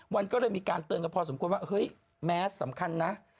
วันก็เลยมีการเตินให้พอสมควรว่าเมสสำคัญนะ